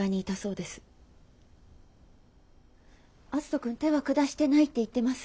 篤人君手は下してないって言ってます。